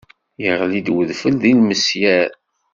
Yeɣli-d wedfel d ilmesyar.